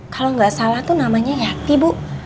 kalau nggak salah tuh namanya yati bu